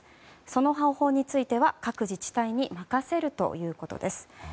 その方法については各自治体に任せるということです。